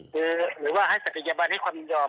หรือมีว่าให้สถิตยบัติให้ความยอม